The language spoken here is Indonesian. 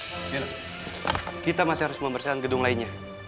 kita masih harus membersihkan gedung lainnya